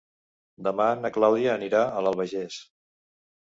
Demà na Clàudia anirà a l'Albagés.